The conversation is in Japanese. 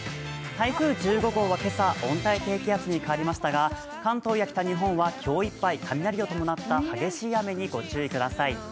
台風１５号は今朝、温帯低気圧に変わりましたが関東や北日本は今日いっぱい雷を伴った激しい雨にご注意ください。